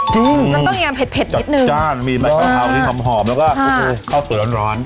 จริงมันต้องยามเผ็ดนิดนึงจัดจ้านมีไม้ขาวมีความหอมแล้วก็โอ้โหข้าวสวยร้อน